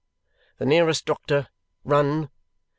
The nearest doctor! Run!"